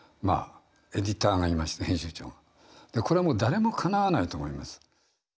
これはもう誰もかなわないと思います。